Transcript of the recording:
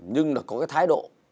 nhưng là có cái thái độ